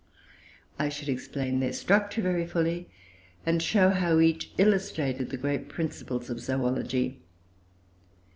I should explain their structure very fully, and show how each illustrated the great principles of zoology.